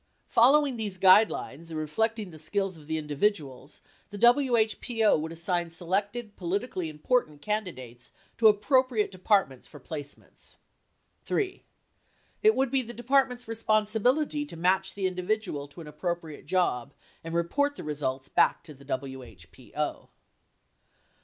Following these guidelines and reflecting the skills, of the individuals, the WHPO would assign selected politi cally important candidates to appropriate Departments for placement. 3. It would be the Department's responsibility to match the individual to an appropriate job and report the results back to the WHPO.